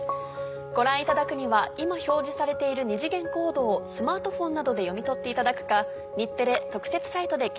ご覧いただくには今表示されている二次元コードをスマートフォンなどで読み取っていただくか。